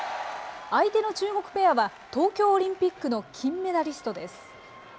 相手の中国ペアは東京オリンピックの金メダリストです。